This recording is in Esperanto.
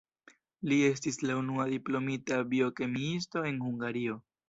Li estis la unua diplomita biokemiisto en Hungario.